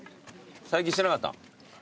最近してなかった？